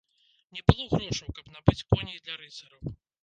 Не было грошаў, каб набыць коней для рыцараў.